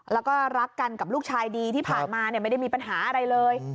แล้วก็รักกันกับลูกชายดีที่ผ่านมาไม่ได้มีปัญหาอะไรเลย